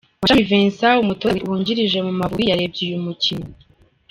Mashami Vincent umutoza wungirije mu Mavubi yarebye uyu mukino.